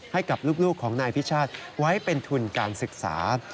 ให้กับลูกของนายพิชาติไว้เป็นทุนการศึกษา